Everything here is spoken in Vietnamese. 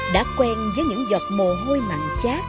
đã quen với những giọt mồ hôi mặn